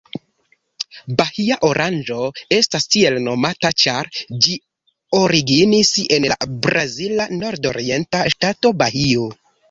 Bahia oranĝo estas tiel nomata ĉar ĝi originis en la brazila nordorienta ŝtato Bahio.